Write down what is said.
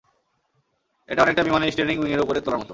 এটা অনেকটা বিমানের স্টিয়ারিং উইং উপরে তোলার মতো।